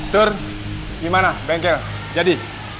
tur gimana bengkel jadi